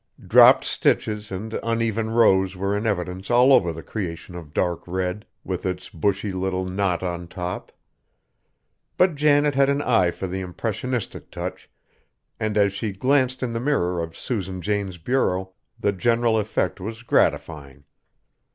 Dropped stitches and uneven rows were in evidence all over the creation of dark red, with its bushy little knot on top. But Janet had an eye for the impressionistic touch, and as she glanced in the mirror of Susan Jane's bureau, the general effect was gratifying.